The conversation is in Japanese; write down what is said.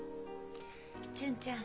純ちゃん